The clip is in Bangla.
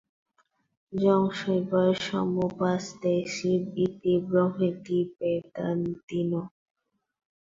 যং শৈবা সমুপাসতে শিব ইতি ব্রহ্মেতি বেদান্তিনো।